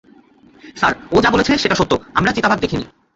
Sir, ও যা বলছে সেটা সত্য আমরা চিতাবাঘ দেখিনি।